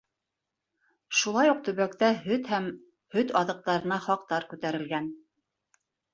Шулай уҡ төбәктә һөт һәм һөт аҙыҡтарына хаҡтар күтәрелгән.